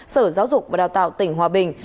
sở giáo dục và đào tạo tỉnh hòa bình